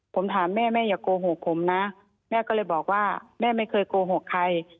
ผมถามแม่แม่อย่าโกหกผมนะแม่ก็เลยบอกว่าแม่ไม่เคยโกหกใคร